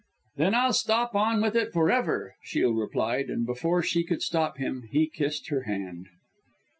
"Then I'll keep on with it for ever," Shiel replied, and before she could stop him, he had kissed her hand.